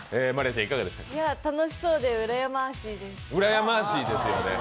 楽しそうでうらやマーシーです。